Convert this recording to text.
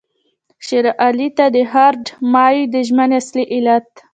شېر علي ته د لارډ مایو د ژمنې اصلي علت.